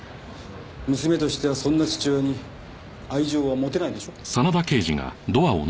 娘としてはそんな父親に愛情は持てないでしょ。